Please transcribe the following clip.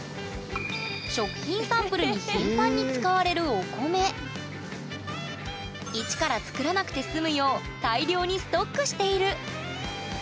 食品サンプルに頻繁に使われる一から作らなくて済むよう大量にストックしているえ